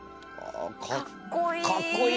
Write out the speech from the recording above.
かっこいい。